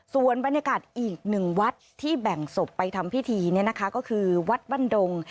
ส่วนบรรยากาศอีกหนึ่งวัดที่แบ่งศพไปทำพิธีก็คือวัดบ้านดง